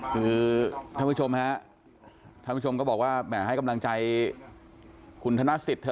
คุณผู้ชมก็บอกว่าให้กำลังใจคุณธนสิทธิ์